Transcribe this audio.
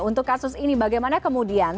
untuk kasus ini bagaimana kemudian